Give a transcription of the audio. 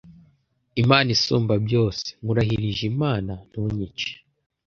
Imana Isumbabyose Nkurahirije Imana ntunyice